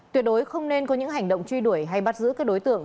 tuyệt đối không nên có những hành động truy đuổi hay bắt giữ các đối tượng